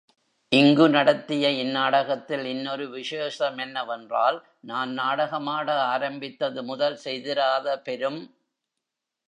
இங்கு நடத்திய இந்நாடகத்தில் இன்னொரு விசேஷ மென்னவென்றால், நான் நாடகமாட ஆரம்பித்தது முதல் செய்திராத பெரும்.